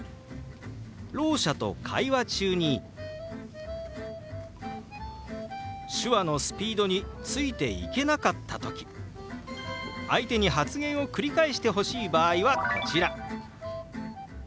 ろう者と会話中に手話のスピードについていけなかった時相手に発言を繰り返してほしい場合はこちら。